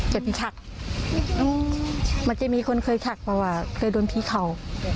จะไปถักมันจะมีคนเคยถักว่าเคยโดนพี่เขา